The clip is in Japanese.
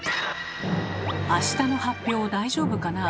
明日の発表大丈夫かな？